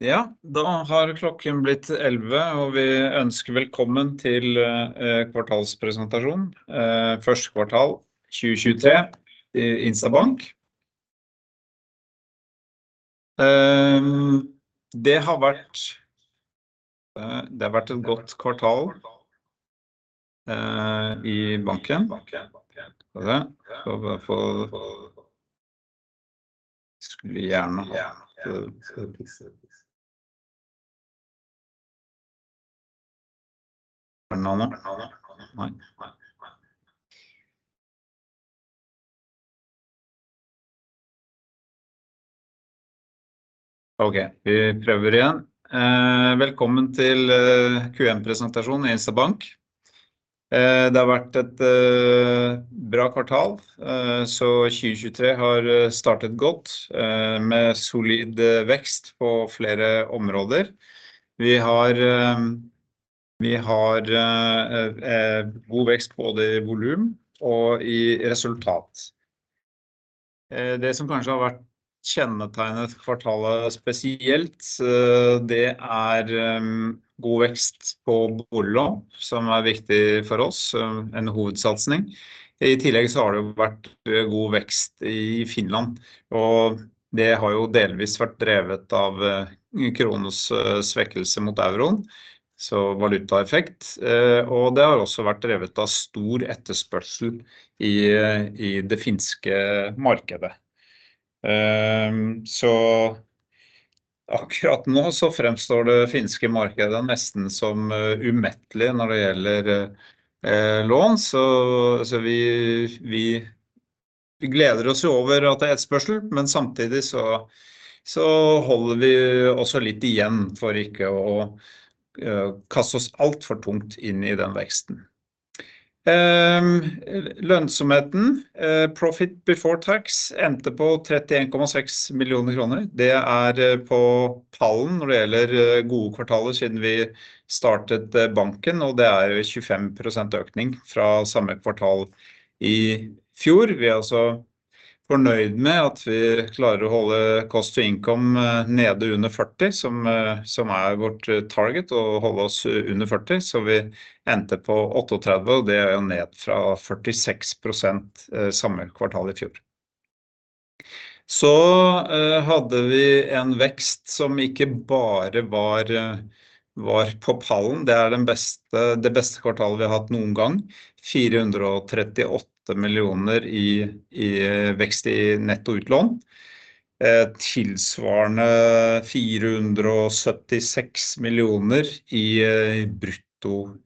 Ja, da har klokken blitt 11:00, og vi ønsker velkommen til kvartalspresentasjon. Første kvartal 2023 i Instabank. Det har vært et godt kvartal i banken. Var det. Er det noen mer? Nei. Okay, vi prøver igjen. Velkommen til Q1 presentasjon i Instabank. Det har vært et bra kvartal, så 2023 har startet godt med solid vekst på flere områder. Vi har god vekst både i volum og i resultat. Det som kanskje har vært kjennetegnet kvartalet spesielt, det er god vekst på boliglån som er viktig for us. En hovedsatsing. I tillegg har det jo vært god vekst i Finland. Det har jo delvis vært drevet av kronens svekkelse mot EUR. Valutaeffekt, det har også vært drevet av stor etterspørsel i det finske markedet. Akurat nå fremstår det finske markedet nesten som umettelig når det gjelder lån. Vi gleder oss jo over at det er etterspørsel, men samtidig holder vi også litt igjen for ikke å kaste oss altfor tungt inn i den veksten. Lønnsomheten. Profit before tax endte på 31.6 millioner kroner. Det er på pallen når det gjelder gode kvartaler siden vi startet banken, og det er 25% økning fra samme kvartal i fjor. Vi er også fornøyd med at vi klarer å holde cost-to-income nede under 40 som er vårt target å holde oss under 40. Vi endte på 38, og det er jo ned fra 46% samme kvartal i fjor. Hadde vi en vekst som ikke bare var på pallen. Det er det beste kvartalet vi har hatt noen gang. NOK 438 million i vekst, i netto utlån, tilsvarende NOK 476 million i brutto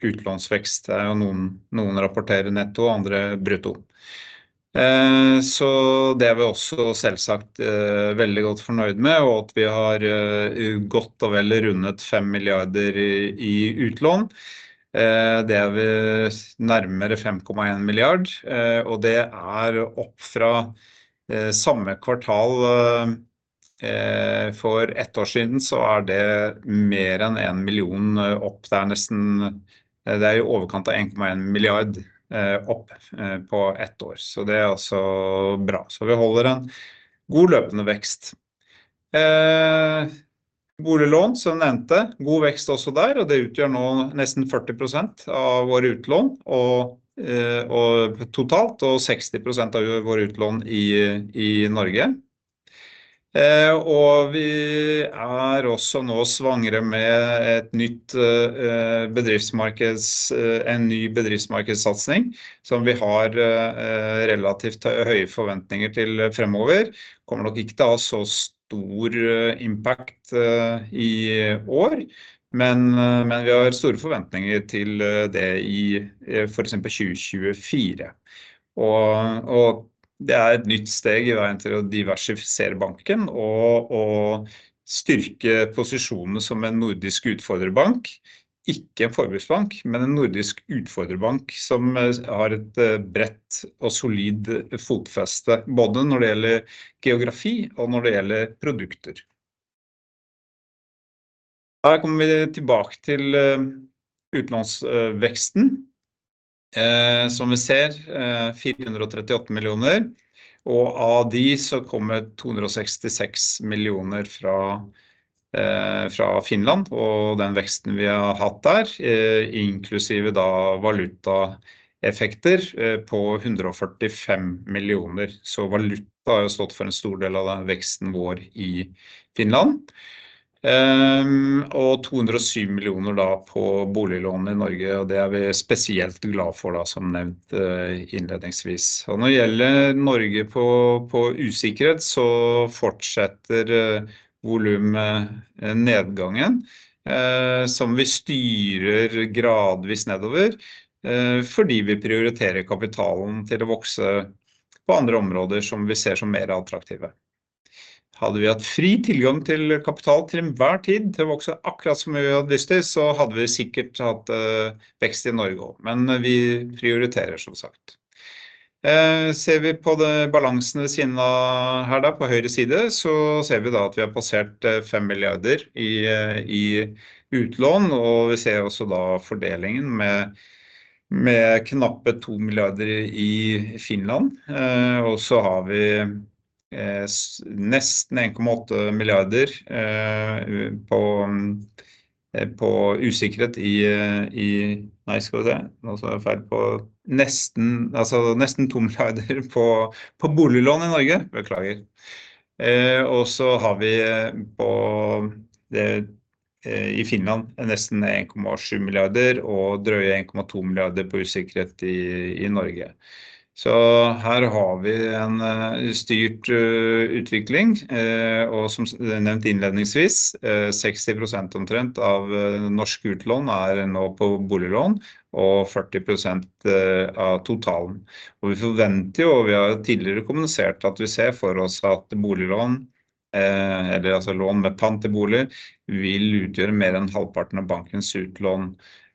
utlånsvekst. Det er jo noen rapporterer netto og andre brutto. Det er vi også selvsagt veldig godt fornøyd med, og at vi har godt og vel rundet NOK 5 billion i utlån. Det er vi nærmere 5.1 billion, og det er opp fra samme kvartal, for one year siden så er det mer enn 1 million opp. Det er i overkant av 1.1 billion opp på one year. Det er også bra. Vi holder en god løpende vekst. Boliglån som jeg nevnte. God vekst også der, og det utgjør nå nesten 40% av våre utlån og totalt og 60% av våre utlån i Norge. Vi er også nå svangre med en ny bedriftsmarkedssatsing som vi har relativt høye forventninger til fremover. Kommer nok ikke til å ha så stor impact i år. Vi har store forventninger til det i for eksempel 2024, det er et nytt steg i veien til å diversifisere banken og styrke posisjonen som en nordisk utfordrerbank. Ikke en forbruksbank, men en nordisk utfordrerbank som har et bredt og solid fotfeste både når det gjelder geografi og når det gjelder produkter. Her kommer vi tilbake til utlånsveksten. Som vi ser 438 million NOK. Av de så kommer 266 million NOK fra Finland og den veksten vi har hatt der, inklusive da valutaeffekter på 145 million NOK. Valuta har jo stått for en stor del av den veksten vår i Finland. 207 million da på boliglån i Norge, og det er vi spesielt glad for da som nevnt innledningsvis. Når det gjelder Norge på usikkerhet så fortsetter volumnedgangen, som vi styrer gradvis nedover, fordi vi prioriterer kapitalen til å vokse på andre områder som vi ser som mer attraktive. Hadde vi hatt fri tilgang til kapital til enhver tid til å vokse akkurat så mye vi hadde lyst til, så hadde vi sikkert hatt vekst i Norge også. Vi prioriterer som sagt. Ser vi på balansen ved siden av her da, på høyre side så ser vi da at vi har passert NOK 5 billion i utlån, vi ser også da fordelingen Med NOK 2 billion i Finland. Har vi nesten NOK 1.8 billion på usikkerhet. Nå sa jeg feil på nesten, altså nesten NOK 2 milliarder på boliglån i Norge. Beklager. Har vi på det i Finland nesten NOK 1.7 milliarder og drøye NOK 1.2 milliarder på usikkerhet i Norge. Her har vi en styrt utvikling, som nevnt innledningsvis, 60% omtrent av norske utlån er nå på boliglån og 40% av totalen. Vi forventer, vi har tidligere kommunisert at vi ser for oss at boliglån, eller altså lån med pant i bolig vil utgjøre mer enn halvparten av bankens utlån.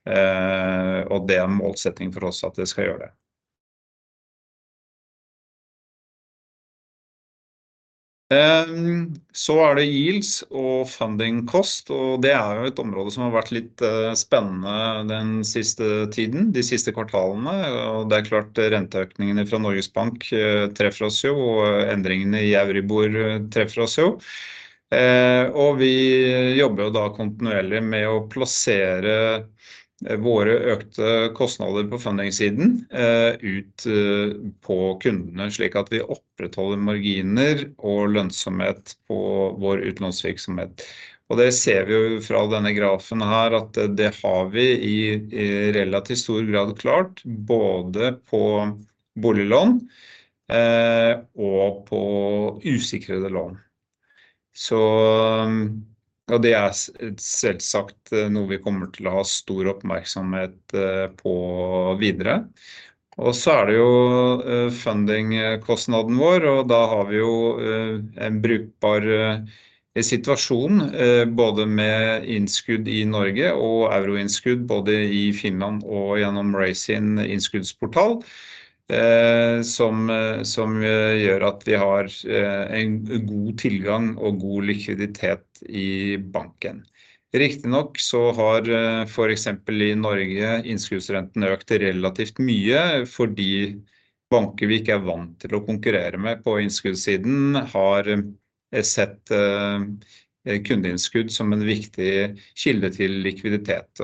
Det er en målsetting for oss at det skal gjøre det. Er det yields og funding cost, det er jo et område som har vært litt spennende den siste tiden, de siste kvartalene. Det er klart renteøkningene fra Norges Bank treffer oss jo, og endringene i Euribor treffer oss jo, og vi jobber jo da kontinuerlig med å plassere våre økte kostnader på fundingssiden ut på kundene slik at vi opprettholder marginer og lønnsomhet på vår utlånsvirksomhet. Det ser vi jo fra denne grafen her at det har vi i relativt stor grad klart både på boliglån og på usikrede lån. Ja, det er selvsagt noe vi kommer til å ha stor oppmerksomhet på videre. Er det jo fundingkostnaden vår, og da har vi jo en brukbar situasjon både med innskudd i Norge og euroinnskudd både i Finland og gjennom Raisin Innskuddsportal. Som gjør at vi har en god tilgang og god likviditet i banken. Riktignok har for eksempel i Norge innskuddsrenten økt relativt mye fordi banker vi ikke er vant til å konkurrere med på innskuddssiden har sett kundeinnskudd som en viktig kilde til likviditet.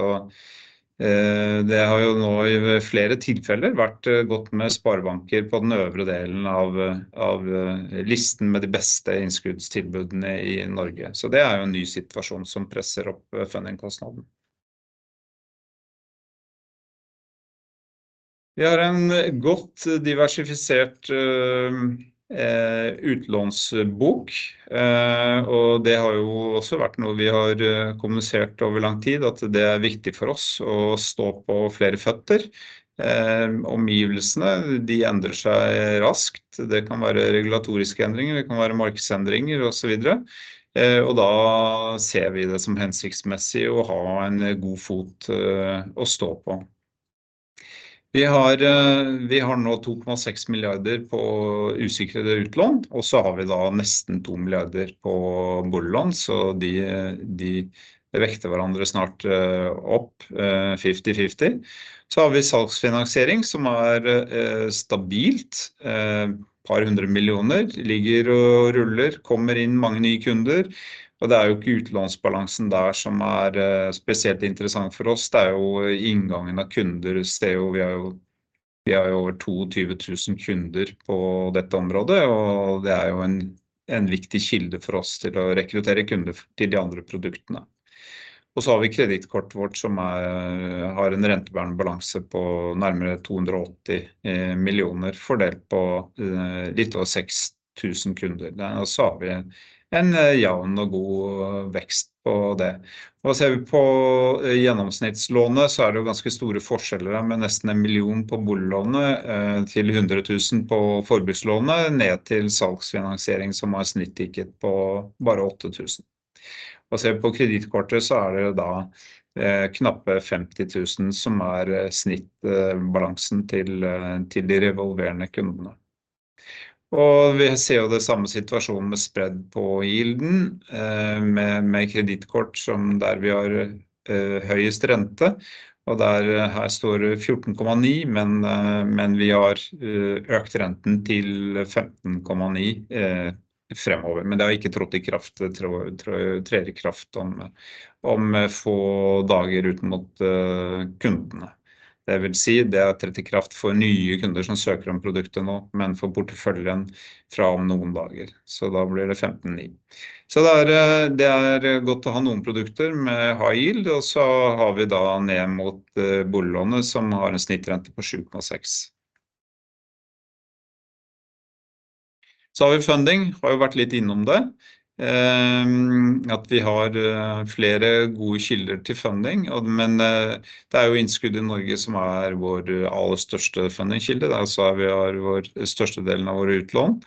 Det har jo nå i flere tilfeller vært gått med sparebanker på den øvre delen av listen med de beste innskuddstilbudene i Norge. Det er jo en ny situasjon som presser opp fundingkostnaden. Vi har en godt diversifisert utlånsbok, det har jo også vært noe vi har kommunisert over lang tid at det er viktig for oss å stå på flere føtter. Omgivelsene de endrer seg raskt. Det kan være regulatoriske endringer, det kan være markedsendringer og så videre, da ser vi det som hensiktsmessig å ha en god fot å stå på. Vi har nå 2.6 milliarder på usikrede utlån, og så har vi da nesten 2 milliarder på boliglån, så de vekter hverandre snart opp 50/50. Vi har salgsfinansiering som er stabilt. NOK et par hundre millioner ligger og ruller, kommer inn mange nye kunder. Det er jo ikke utlånsbalansen der som er spesielt interessant for oss. Det er jo inngangen av kunder. Det er jo, vi har jo over 22,000 kunder på dette området, og det er jo en viktig kilde for oss til å rekruttere kunder til de andre produktene. Vi har kredittkortet vårt som er, har en rentebærende balanse på nærmere 280 million fordelt på litt over 6,000 kunder. Vi har en jevn og god vekst på det. Ser vi på gjennomsnittslånet så er det jo ganske store forskjeller med nesten 1 million på boliglånet, til 100,000 på forbrukslånet ned til salgsfinansiering som har snittstikket på bare 8,000. Ser vi på kredittkortet så er det da knappe NOK 50,000 som er snittbalansen til de revolvere kundene. Vi ser jo det samme situasjonen med spred på yielden med kredittkort som der vi har høyest rente og der her står 14.9%. Men vi har økt renten til 15.9% fremover, men det har ikke trer i kraft om få dager ut mot kundene. Det vil si det trer i kraft for nye kunder som søker om produktet nå, men for porteføljen fra om noen dager, da blir det 15.9%. Det er godt å ha noen produkter med high yield. Vi har da ned mot boliglånet som har en snittrente på 7.6. Vi har funding. Har jo vært litt innom det. At vi har flere gode kilder til funding og, men det er jo innskudd i Norge som er vår aller største fundingkilde. Altså, vi har vår største delen av våre utlån.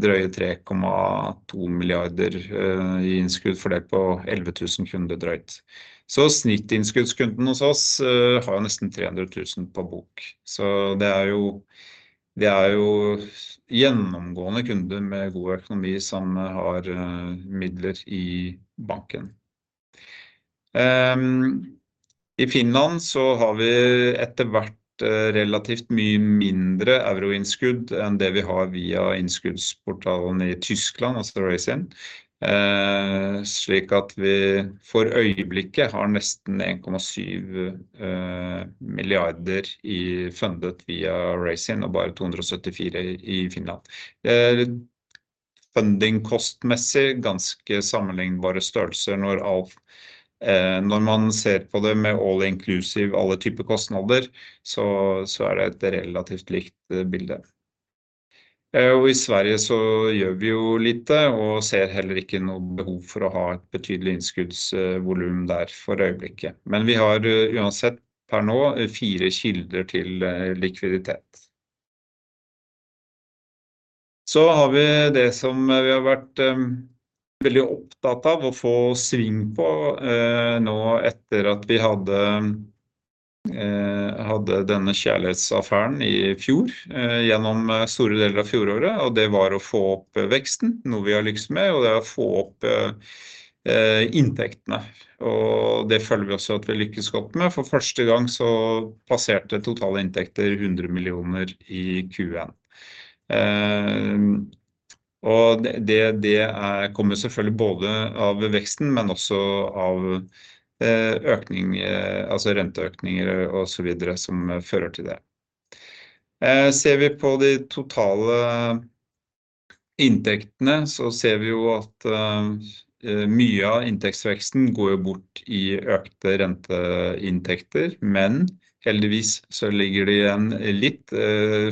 Drøye NOK 3.2 billion i innskudd fordelt på 11,000 kunder drøyt. Snittinnskuddskunden hos oss har jo nesten 300,000 på bok, så det er jo gjennomgående kunder med god økonomi som har midler i banken. I Finland har vi etter hvert relativt mye mindre EUR innskudd enn det vi har via innskuddsportalene i Tyskland, altså Raisin. Slik at vi for øyeblikket har nesten 1.7 billion i fundet via Raisin og bare 274 i Finland. Funding kostmessig ganske sammenlignbare størrelser når alt, når man ser på det med all inclusive alle typer kostnader så er det et relativt likt bilde. I Sverige så gjør vi jo lite og ser heller ikke noe behov for å ha et betydelig innskuddsvolum der for øyeblikket. Vi har uansett per nå four kilder til likviditet. Vi har det som vi har vært veldig opptatt av å få sving på, nå etter at vi hadde denne kjærlighetsaffæren i fjor gjennom store deler av fjoråret. Det var å få opp veksten, noe vi har lykkes med og det å få opp inntektene. Det føler vi også at vi har lykkes godt med. For første gang passerte totale inntekter NOK 100 million in Q1. Det kommer selvfølgelig både av veksten, men også av økning, altså renteøkninger og så videre som fører til det. Ser vi på de totale inntektene ser vi jo at mye av inntektsveksten går jo bort i økte renteinntekter, men heldigvis ligger det igjen litt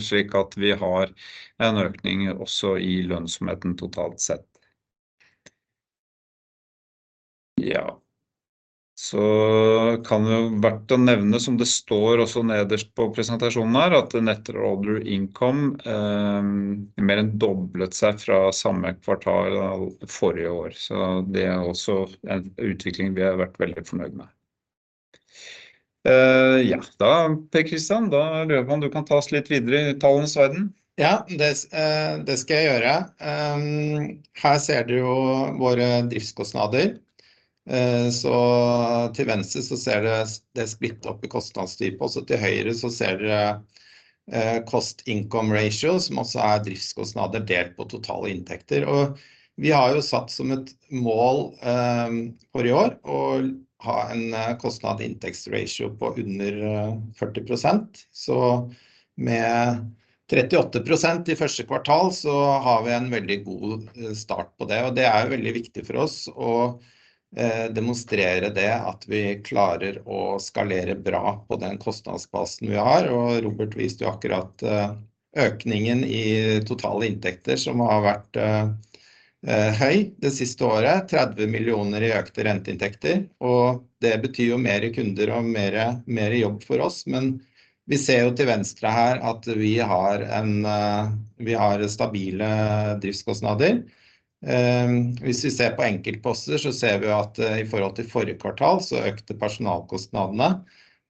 slik at vi har en økning også i lønnsomheten totalt sett. Kan det jo vært å nevne som det står også nederst på presentasjonen her at net interest income mer enn doblet seg fra samme kvartal forrige år. Det er også en utvikling vi har vært veldig fornøyd med. Da Per Kristian, da lurer jeg på om du kan ta oss litt videre i tallenes verden. Det, det skal jeg gjøre. Her ser du jo våre driftskostnader, så til venstre så ser dere det er splittet opp i kostnadstyper. Til høyre så ser dere, cost-to-income ratio som også er driftskostnader delt på totale inntekter. Vi har jo satt som et mål, for i år å ha en kostnad inntekts ratio på under 40%. Med 38% i første kvartal så har vi en veldig god start på det, og det er jo veldig viktig for oss å demonstrere det at vi klarer å skalere bra på den kostnadsbasen vi har. Robert viste jo akkurat økningen i totale inntekter som har vært høy det siste året. 30 million i økte renteinntekter. Det betyr jo mer kunder og mer jobb for oss. Vi ser jo til venstre her at vi har stabile driftskostnader. Hvis vi ser på enkeltposter så ser vi at i forhold til forrige kvartal så økte personalkostnadene.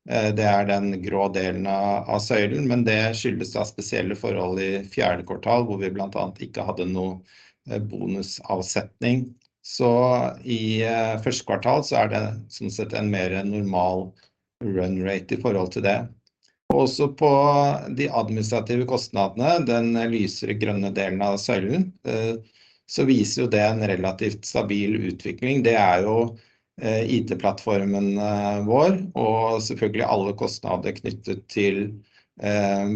Det er den grå delen av søylen, men det skyldes da spesielle forhold i fjerde kvartal, hvor vi blant annet ikke hadde noe bonusavsetning. I første kvartal så er det sånn sett en mer normal run rate i forhold til det. Også på de administrative kostnadene, den lysere grønne delen av søylen, så viser jo det en relativt stabil utvikling. Det er jo IT-plattformen vår, og selvfølgelig alle kostnader knyttet til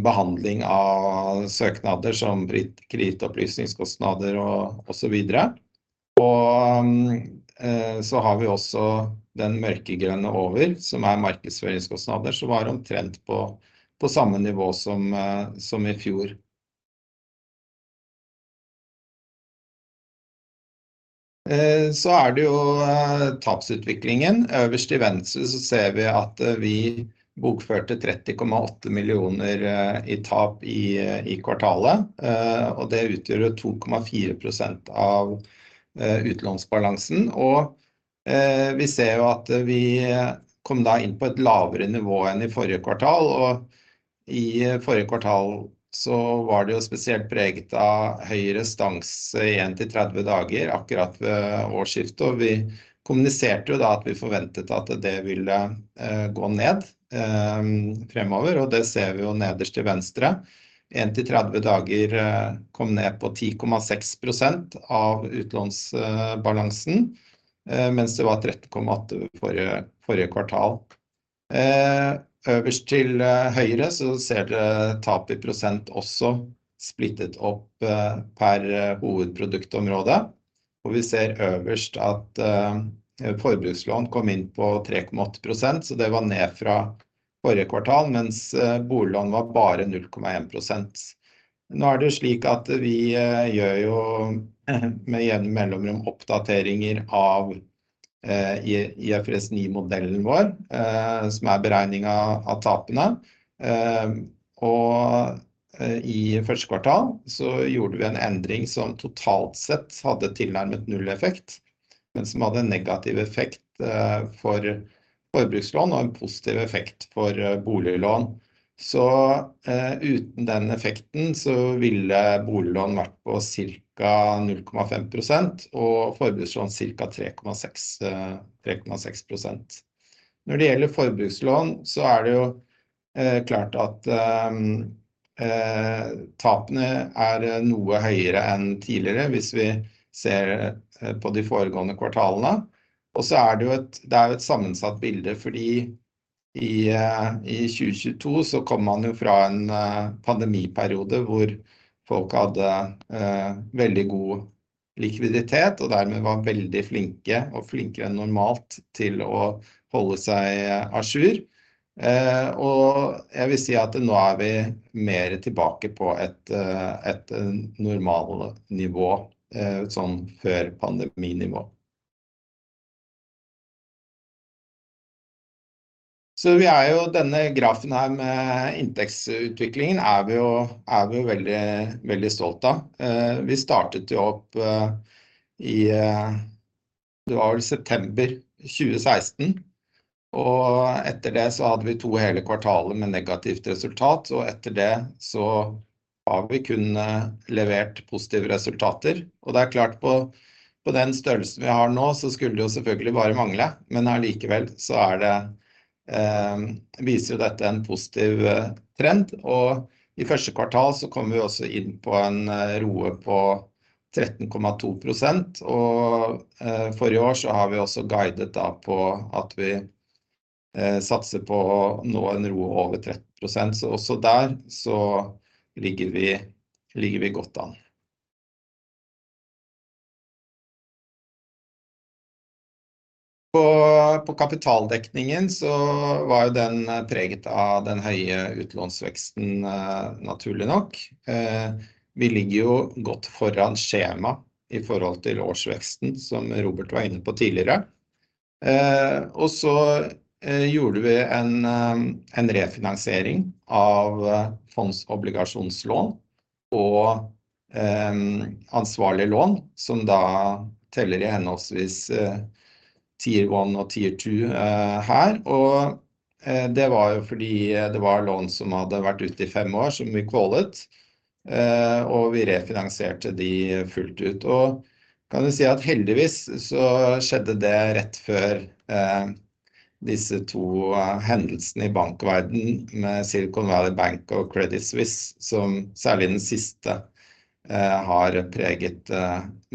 behandling av søknader som kredittopplysningskostnader og så videre. Så har vi også den mørkegrønne over som er markedsføringskostnader. Var omtrent på samme nivå som i fjor. Det er jo tapsutviklingen. Øverst til venstre så ser vi at vi bokførte 30.8 million i tap i kvartalet, og det utgjør 2.4% av utlånsbalansen. Vi ser jo at vi kom da inn på et lavere nivå enn i forrige kvartal, og i forrige kvartal så var det jo spesielt preget av høyere stans i 1-30 days akkurat ved årsskiftet. Vi kommuniserte jo da at vi forventet at det ville gå ned fremover, og det ser vi jo nederst til venstre. 1-30 days kom ned på 10.6% av utlånsbalansen, mens det var 13.8% forrige kvartal. Øverst til høyre så ser dere tap i prosent også splittet opp per hovedproduktområde, hvor vi ser øverst at forbrukslån kom inn på 3.8%, så det var ned fra forrige kvartal, mens boliglån var bare 0.1%. Nå er det jo slik at vi gjør jo med jevne mellomrom oppdateringer av IFRS 9 modellen vår, som er beregning av tapene, og i 1st kvartal så gjorde vi en endring som totalt sett hadde tilnærmet 0 effekt, men som hadde en negativ effekt for forbrukslån og en positiv effekt for boliglån. Uten den effekten så ville boliglån vært på cirka 0.5% og forbrukslån cirka 3.6%. Når det gjelder forbrukslån så er det jo klart at tapene er noe høyere enn tidligere hvis vi ser på de foregående kvartalene. Det er jo et sammensatt bilde, fordi i 2022 så kom man jo fra en pandemiperiode hvor folk hadde veldig god likviditet og dermed var veldig flinke og flinkere enn normalt til å holde seg à jour. Jeg vil si at nå er vi mer tilbake på et normalnivå, sånn før pandeminivå. Vi er jo denne grafen her med inntektsutviklingen er vi jo veldig stolt av. Vi startet jo opp i september 2016, etter det så hadde vi two hele kvartaler med negativt resultat. Etter det så har vi kun levert positive resultater. Det er klart på den størrelsen vi har nå så skulle det jo selvfølgelig bare mangle, men allikevel så er det, viser jo dette en positiv trend, og i first quarter så kom vi også inn på en ROE på 13.2%. For i år så har vi også guidet da på at vi satser på å nå en ROE over 30%. Også der så ligger vi godt an. På kapitaldekningen så var jo den preget av den høye utlånsveksten naturlig nok. Vi ligger jo godt foran skjema i forhold til årsveksten som Robert var inne på tidligere. Så gjorde vi en refinansiering av fondsobligasjonslån og ansvarlig lån som da teller i henholdsvis Tier 1 og Tier 2 her. Det var jo fordi det var lån som hadde vært ute i 5 år som vi kvalte, og vi finansierte de fullt ut. Kan jo si at heldigvis så skjedde det rett før disse to hendelsene i bankverdenen med Silicon Valley Bank og Credit Suisse, som særlig den siste, har preget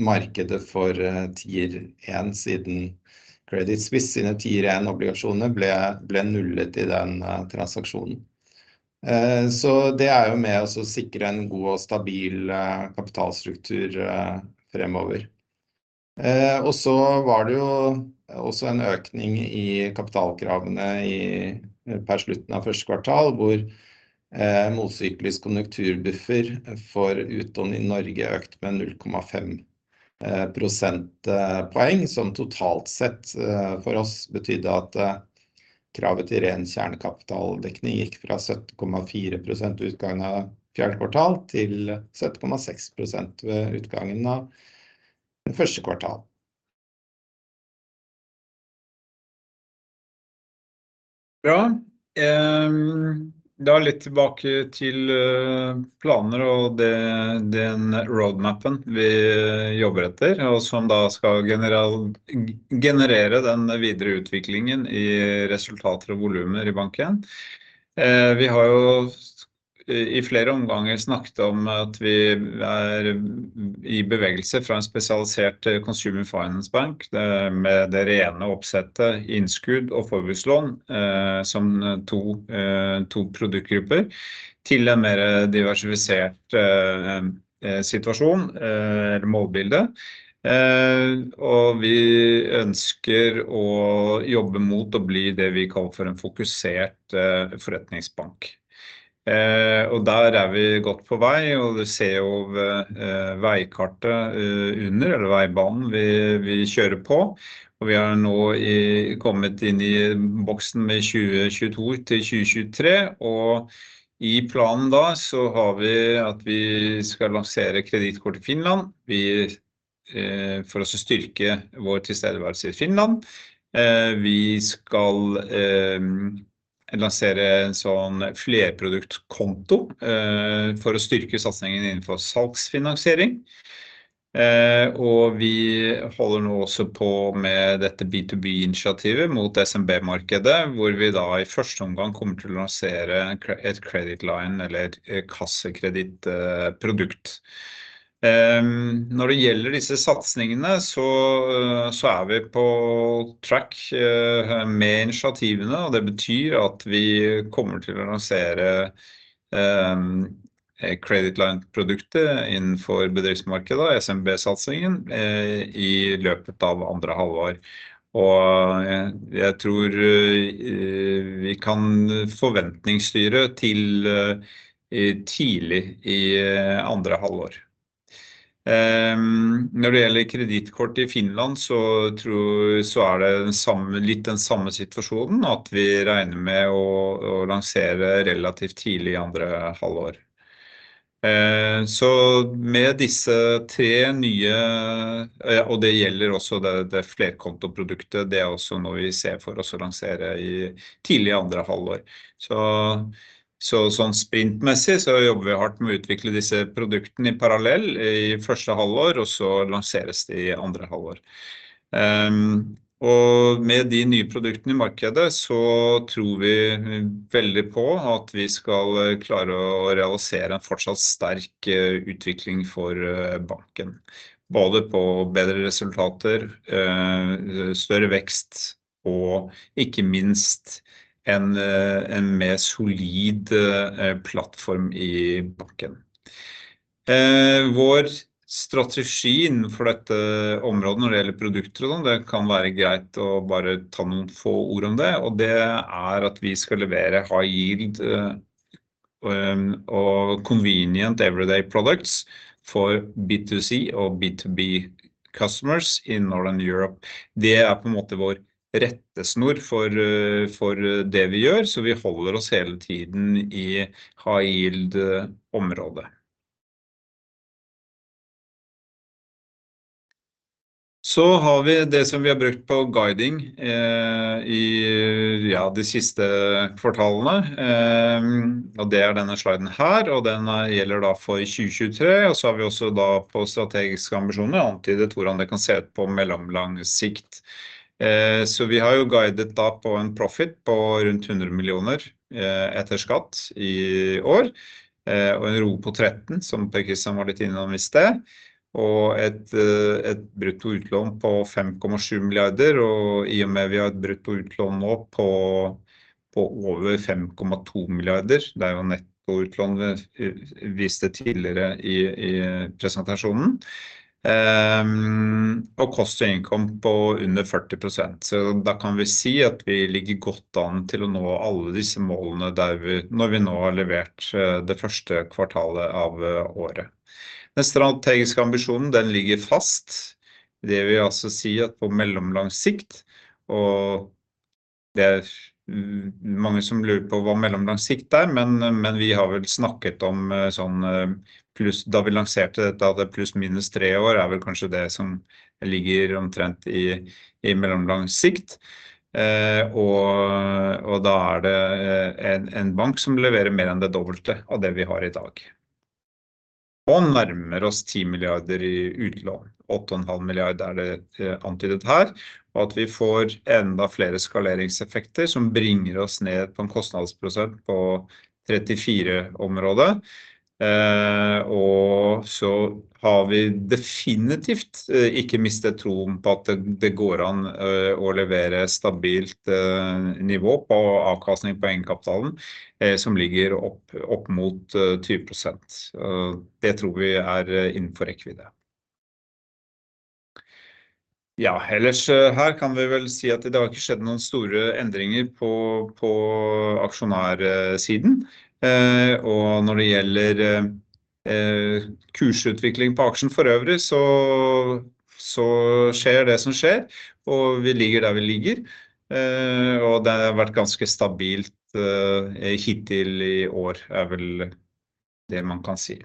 markedet for Tier 1 siden. Credit Suisse sine Tier 1 obligasjoner ble nullet i den transaksjonen. Det er jo med å sikre en god og stabil kapitalstruktur fremover. Det var jo også en økning i kapitalkravene i per slutten av first quarter, hvor motsyklisk kapitalbuffer for utlån i Norge økte med 0.5 percentage points, som totalt sett for oss betydde at kravet til ren kjernekapitaldekning gikk fra 17.4% ved utgangen av fourth quarter til 17.6% ved utgangen av first quarter. Bra. Litt tilbake til planer og det, den roadmapen vi jobber etter, og som da skal generelt generere den videre utviklingen i resultater og volumer i banken. Vi har jo i flere omganger snakket om at vi er i bevegelse fra en spesialisert consumer finance bank med det rene oppsettet innskudd og forbrukslån som to produktgrupper til en mer diversifisert situasjon eller målbilde. Vi ønsker å jobbe mot å bli det vi kaller for en fokusert forretningsbank. Der er vi godt på vei, og du ser jo veikartet under eller veibanen vi kjører på. Vi har nå kommet inn i boksen med 2022-2023, og i planen da så har vi at vi skal lansere kredittkort i Finland. Vi for også styrke vår tilstedeværelse i Finland. Vi skal lansere en sånn flerproduktkonto for å styrke satsingen innenfor salgsfinansiering. Vi holder nå også på med dette B2B initiativet mot SMB markedet, hvor vi da i first instance kommer til å lansere et credit line eller kassekredittprodukt. Når det gjelder disse satsingene så er vi på track med initiativene, og det betyr at vi kommer til å lansere credit line produktet innenfor bedriftsmarkedet og SMB satsingen i løpet av second half. Jeg tror vi kan forventningsstyre til tidlig i second half. Når det gjelder kredittkort i Finland så tror vi, så er det samme litt den samme situasjonen at vi regner med å lansere relativt tidlig i second half. Med disse tre nye, og det gjelder også det flerkontoproduktet. Det er også noe vi ser for oss å lansere i tidlig second half. Sånn sprintmessig jobber vi hardt med å utvikle disse produktene i parallell i første halvår, og så lanseres de i andre halvår. Med de nye produktene i markedet så tror vi veldig på at vi skal klare å realisere en fortsatt sterk utvikling for banken, både på bedre resultater, større vekst og ikke minst en mer solid plattform i banken. Vår strategi innenfor dette området når det gjelder produkter og sånn, det kan være greit å bare ta noen få ord om det, og det er at vi skal levere High Yield, og convenient everyday products for B2C og B2B customers i Northern Europe. Det er på en måte vår rettesnor for det vi gjør, så vi holder oss hele tiden i High Yield området. Har vi det som vi har brukt på guiding i ja de siste kvartalene, og det er denne sliden her, og den gjelder da for 2023. Har vi også da på strategiske ambisjoner antydet hvordan det kan se ut på mellomlang sikt. Vi har jo guidet da på en profit på rundt 100 million etter skatt i år, og en ROE på 13 som Per Kristian var litt innom i sted og et brutto utlån på 5.7 billion. I og med vi har et brutto utlån nå på over 5.2 billion. Det er jo netto utlån vi viste tidligere i presentasjonen. Kost og innkomst på under 40%. Da kan vi si at vi ligger godt an til å nå alle disse målene der vi når vi nå har levert det first quarter av året. Neste strategiske ambisjonen, den ligger fast. Det vil altså si at på mellomlang sikt, og det er mange som lurer på hva mellomlang sikt er. Vi har vel snakket om sånn pluss da vi lanserte dette. ±3 years er vel kanskje det som ligger omtrent i mellomlang sikt. Da er det en bank som leverer mer enn det dobbelte av det vi har i dag. Nærmer oss 10 billion i utlån. 8.5 billion er det antydet her, og at vi får enda flere skaleringseffekter som bringer oss ned på en kostnadsprosent på 34 området. Vi har definitivt ikke mistet troen på at det går an å levere stabilt nivå på avkastning på egenkapitalen som ligger opp mot 20%. Det tror vi er innenfor rekkevidde. Ellers her kan vi vel si at det har ikke skjedd noen store endringer på aksjonærsiden. Når det gjelder kursutvikling på aksjen forøvrig, så skjer det som skjer og vi ligger der vi ligger. Det har vært ganske stabilt hittil i år er vel det man kan si.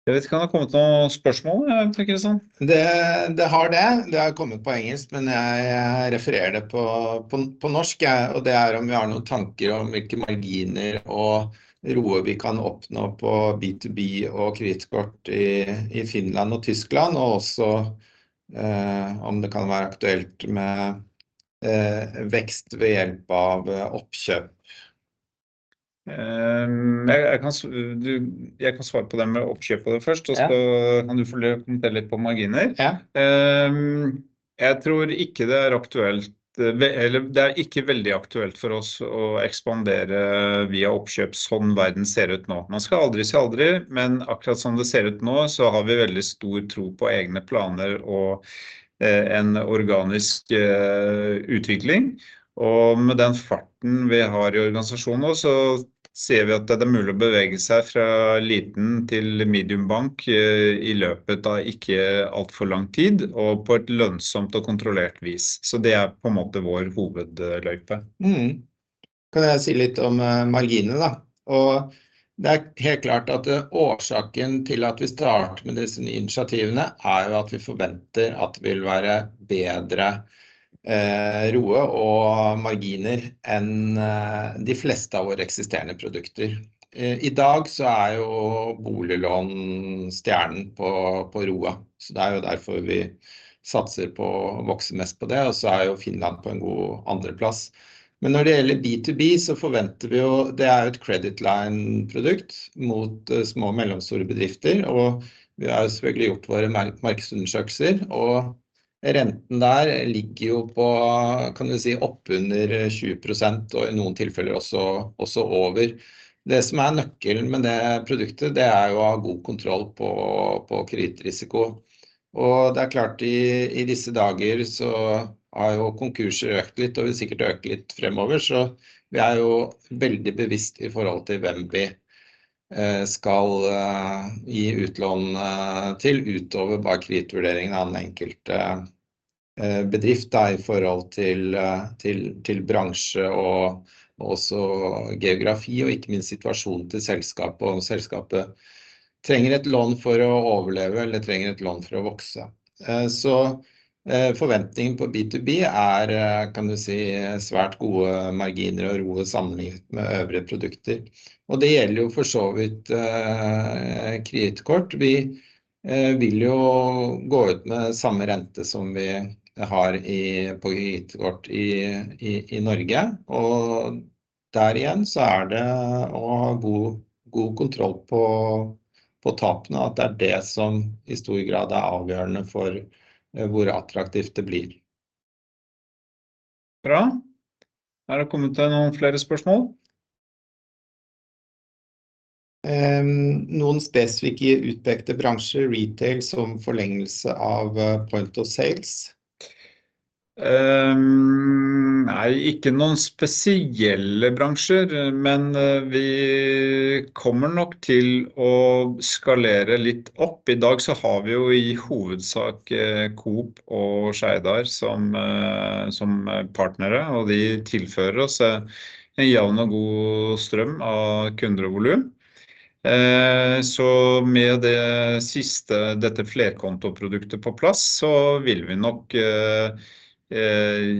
Mm. Jeg vet ikke. Har det kommet noen spørsmål? Per Kristian. Det har det. Det har kommet på engelsk, men jeg refererer det på norsk jeg. Det er om vi har noen tanker om hvilke marginer og ROE vi kan oppnå på B2B og kredittkort i Finland og Tyskland, og også om det kan være aktuelt med vekst ved hjelp av oppkjøp. Jeg kan svare på det med oppkjøp av det først. Ja. kan du få lov å kommentere litt på marginer. Ja. Jeg tror ikke det er aktuelt. Det er ikke veldig aktuelt for oss å ekspandere via oppkjøp sånn verden ser ut nå. Man skal aldri si aldri. Akkurat som det ser ut nå så har vi veldig stor tro på egne planer og en organisk utvikling. Med den farten vi har i organisasjonen nå så ser vi at det er mulig å bevege seg fra liten til medium bank i løpet av ikke altfor lang tid og på et lønnsomt og kontrollert vis. Det er på en måte vår hovedløype. Kan jeg si litt om marginene da. Det er helt klart at årsaken til at vi startet med disse nye initiativene er jo at vi forventer at det vil være bedre ROE og marginer enn de fleste av våre eksisterende produkter. I dag er jo boliglån stjernen på ROA, det er jo derfor vi satser på å vokse mest på det. Finland er jo på en god andreplass. Når det gjelder B2B forventer vi jo det er jo et credit line produkt mot små og mellomstore bedrifter, og vi har selvfølgelig gjort våre markedsundersøkelser og renten der ligger jo på kan du si opp under 20% og i noen tilfeller også over. Det som er nøkkelen med det produktet, det er jo å ha god kontroll på kredittrisiko. Det er klart i disse dager så har jo konkurser økt litt og vil sikkert øke litt fremover. Vi er jo veldig bevisst i forhold til hvem vi skal gi utlån til utover bare kredittvurderingen av den enkelte bedrift da i forhold til bransje og også geografi, og ikke minst situasjonen til selskapet. Om selskapet trenger et lån for å overleve eller trenger et lån for å vokse. Forventningen på B2B er kan du si svært gode marginer og ROE sammenlignet med øvrige produkter. Det gjelder jo for så vidt kredittkort. Vi vil jo gå ut med samme rente som vi har i, på kredittkort i Norge. Der igjen så er det å ha god kontroll på tapene at det er det som i stor grad er avgjørende for hvor attraktivt det blir. Bra. Er det kommet noen flere spørsmål? Noen spesifikke utpekte bransjer retail som forlengelse av point of sale. Nei, ikke noen spesielle bransjer. Men vi kommer nok til å skalere litt opp. I dag so har vi jo i hovedsak Coop og Skeidar som partnere, og de tilfører oss en jevn og god strøm av kunder og volum. So med det siste dette flerkontoproduktet på plass so vil vi nok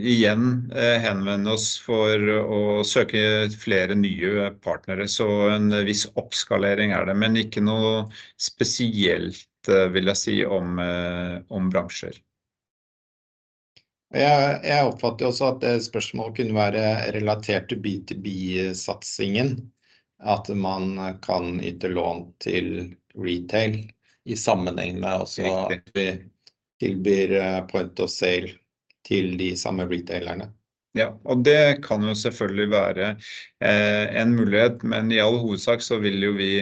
igjen henvende oss for å søke flere nye partnere. En viss oppskalering er det, men ikke noe spesielt vil jeg si om bransjer. Jeg oppfatter også at det spørsmålet kunne være relatert til B2B satsingen, at man kan yte lån til retail i sammenheng med også at vi tilbyr point of sale til de samme retailerne. Det kan jo selvfølgelig være en mulighet, men i all hovedsak så vil jo vi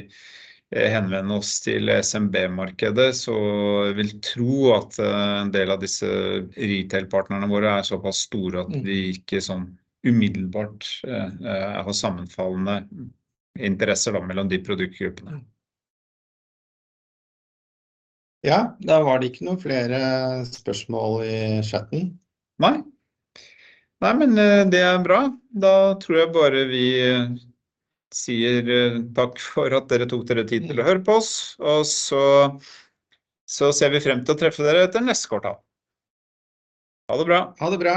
henvende oss til SMB markedet. Jeg vil tro at en del av disse retail partnerne våre er såpass store at vi ikke sånn umiddelbart har sammenfallende interesser da mellom de produktgruppene. Ja. Da var det ikke noen flere spørsmål i chatten. Nei. Nei. Det er bra. Tror jeg bare vi sier takk for at dere tok dere tid til å høre på oss, ser vi frem til å treffe dere etter neste kvartal. Ha det bra! Ha det bra!